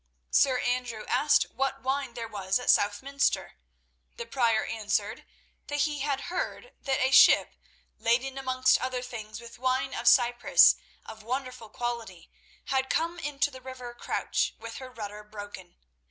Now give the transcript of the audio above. Sir Andrew asked what wine there was at Southminster. The Prior answered that he had heard that a ship, laden amongst other things with wine of Cyprus of wonderful quality, had come into the river Crouch with her rudder broken.